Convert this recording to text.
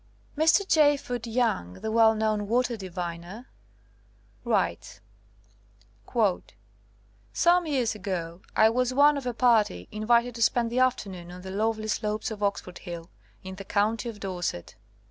Mr. J. Foot Young, the well known water diviner, writes : "Some years ago I was one of a party in vited to spend the afternoon on the lovely slopes of Oxef ord Hill, in the county of Dor set.